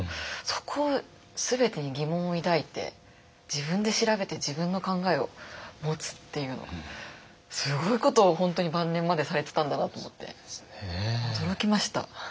そこを全てに疑問を抱いて自分で調べて自分の考えを持つっていうのがすごいことを本当に晩年までされてたんだなと思って驚きました。